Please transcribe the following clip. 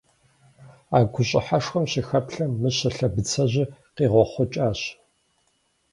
А гущӀыхьэшхуэм щыхэплъэм, Мыщэ лъэбыцэжьыр къигъуэхъукӀащ.